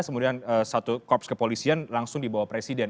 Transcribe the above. kemudian satu korps kepolisian langsung di bawah presiden